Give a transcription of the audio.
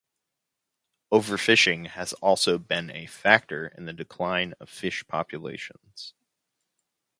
Overfishing has also been a factor in the decline of fish populations.